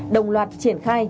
đồng loạt triển khai